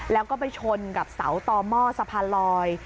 แล้วก็ไปชนกับเสาต่อหม้อสะพานลอย